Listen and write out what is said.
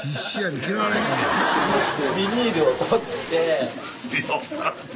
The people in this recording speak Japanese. ビニールを取って。